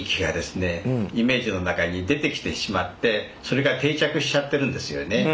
イメージの中に出てきてしまってそれが定着しちゃってるんですよね。